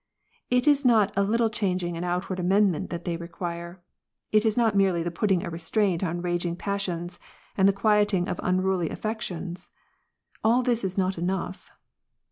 It is not a little changing and outward amendment that they require. It is not merely the putting a restraint on raging passions and the quieting of unruly affections. All this is not enough.